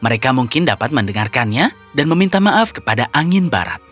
mereka mungkin dapat mendengarkannya dan meminta maaf kepada angin barat